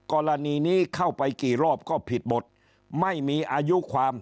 กรณีนี้เข้าไปกี่รอบก็ผิดหมดไม่มีอายุความ